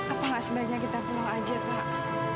apa nggak sebaiknya kita pulang aja pak